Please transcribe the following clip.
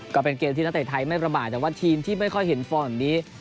ก็เป็นเกมที่นักเตะไทยไม่ประมาทแต่ว่าทีมที่ไม่ค่อยเห็นฟอร์มแบบนี้